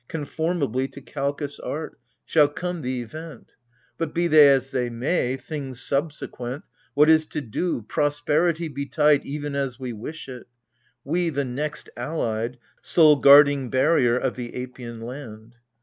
Conformably to Kalchas' art, Shall come the event. But be they as they may, things subsequent, — What is to do, prosperity betide E'en as we wish it I — we, the next allied, Sole guarding barrier of the Apian land.